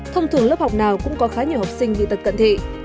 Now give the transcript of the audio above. thông thường lớp học nào cũng có khá nhiều học sinh bị tật cận thị